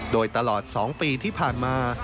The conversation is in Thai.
โดยตลอด๒ปีที่ผ่านมา